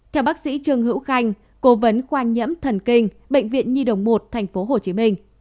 theo bác sĩ trương hữu khanh cố vấn khoan nhẫm thần kinh bệnh viện nhi đồng một tp hcm